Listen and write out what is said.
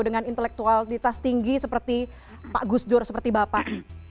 dengan intelektualitas tinggi seperti pak gus dur seperti bapak